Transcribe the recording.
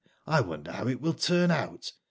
I wonder how it will turn out ?